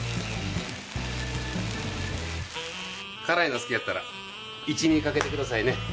辛いの好きやったら一味かけてくださいね。